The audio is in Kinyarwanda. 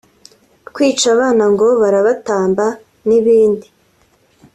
kwica abana ngo barabatamba n’ibindi